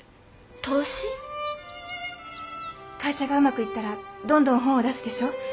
会社がうまくいったらどんどん本を出すでしょう？